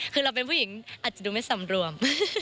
คือเราเป็นผู้หญิงอาจจะดูไม่สำรวม